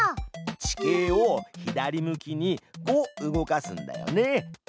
地形を左向きに「５」動かすんだよね。